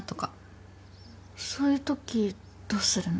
そういうときどうするの？